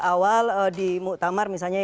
awal di muqtamar misalnya